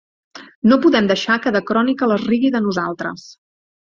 No podem deixar que "The Chronicle" es rigui de nosaltres!